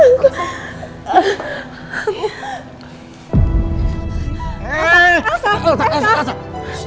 aku gak akan pisah ma